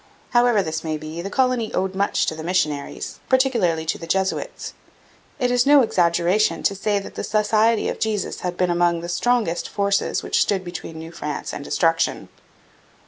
However this may be, the colony owed much to the missionaries particularly to the Jesuits. It is no exaggeration to say that the Society of Jesus had been among the strongest forces which stood between New France and destruction.